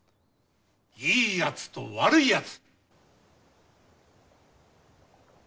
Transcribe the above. いいやつと悪いやつ。